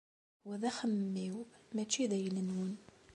Wa d axemmem-iw mačči d ayla-nwen.